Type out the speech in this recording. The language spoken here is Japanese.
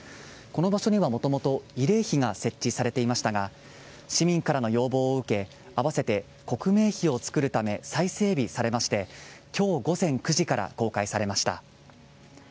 この場所にはもともと慰霊碑が設置されていましたが市民からの要望を受け併せて刻銘碑をつくるため再整備されまして今日午前９時から公開されました。